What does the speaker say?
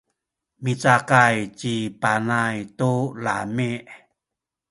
micakay ci Panay tu lami’.